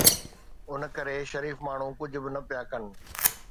ان ڪري شريف ماڻهو ڪجهه به نه پيا ڪن.